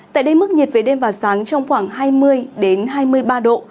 tại đây mức nhiệt về đêm và sáng trong khoảng hai mươi hai mươi ba độ